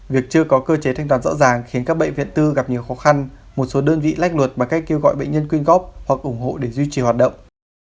việc chưa có cơ chế thanh toán rõ ràng khiến các bệnh viện tư gặp nhiều khó khăn một số đơn vị lách luật bằng cách kêu gọi bệnh nhân quyên góp hoặc ủng hộ để duy trì hoạt động